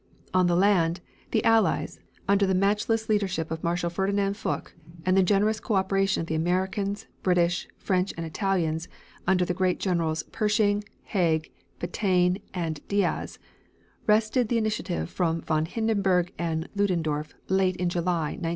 On the land, the Allies, under the matchless leadership of Marshal Ferdinand Foch and the generous co operation of Americans, British, French and Italians, under the great Generals Pershing, Haig, Petain and Diaz, wrested the initiative from von Hindenburg and Ludendorf, late in July, 1918.